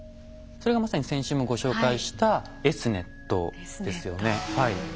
それがまさに先週もご紹介したＳ−ｎｅｔですよね。